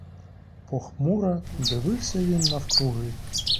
Похмуро дивився він навкруги.